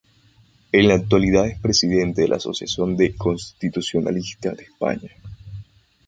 En la actualidad es presidente de la Asociación de Constitucionalistas de España.